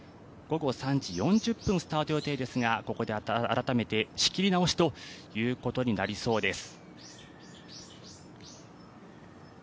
午後３時４０分スタート予定ですがここで改めて仕切り直しということになりそうです。